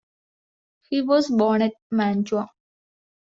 He was born at Mantua.